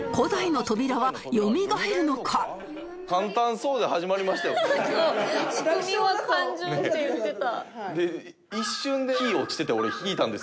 そう仕組みは単純って言ってた。